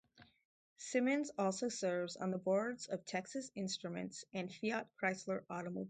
Simmons also serves on the boards of Texas Instruments and Fiat Chrysler Automobiles.